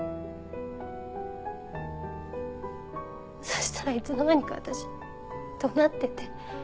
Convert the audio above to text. そしたらいつの間にか私怒鳴ってて。